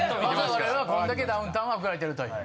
我々はこんだけダウンタウンを憧れてるという。